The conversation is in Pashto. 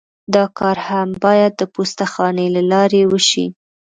دا کار هم باید د پوسته خانې له لارې وشي